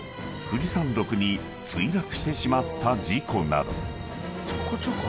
富士山麓に墜落してしまった事故など］